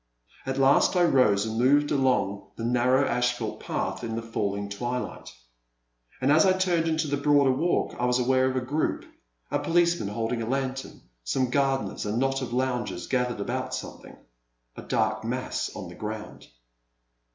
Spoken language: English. At last I rose and moved along the narrow asphalt path in the falling twilight. And as I turned into the broader walk, I was aware of a group, a policeman holding a lantern, some gardeners, and a knot of loungers gathered about something, — a dark mass on the ground.